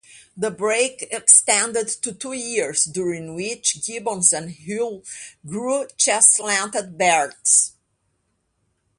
The break extended to two years, during which Gibbons and Hill grew chest-length beards.